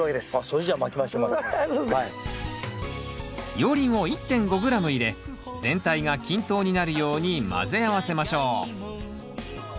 熔リンを１．５ｇ入れ全体が均等になるように混ぜ合わせましょう。